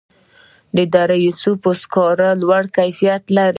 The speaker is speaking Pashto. د دره صوف سکاره لوړ کیفیت لري